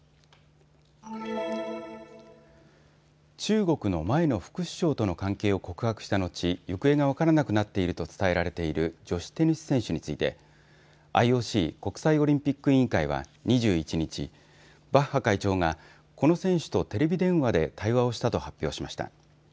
中国の前の副首相との関係を告白した後、行方が分からなくなっていると伝えられている女子テニス選手についてＩＯＣ・国際オリンピック委員会は２１日、バッハ会長がこの選手とテレビ電話で対話をしたと発表しました。